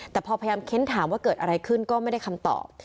แต่พอพยายามเค้นถามว่าเกิดอะไรขึ้นก็ไม่ได้คำตอบ